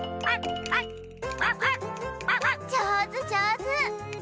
じょうずじょうず！